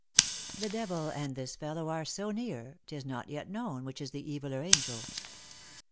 "The Devil an* This fellow are so near, 'tis not yet known Which is the eviler angel."